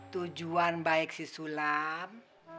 tujuan baik si sulam